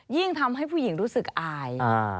ยิ่งทำให้ผู้หญิงรู้สึกอาย